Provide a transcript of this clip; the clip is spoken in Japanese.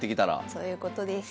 そういうことです。